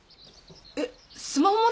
えっスマホ持ってたの？